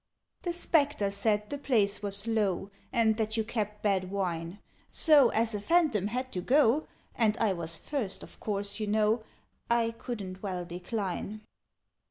"The Spectres said the place was low, And that you kept bad wine: So, as a Phantom had to go, And I was first, of course, you know, I couldn't well decline."